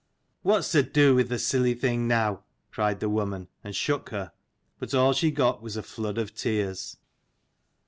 "What's to do with the silly thing now?" cried the woman, and shook her : but all she got was a flood of tears.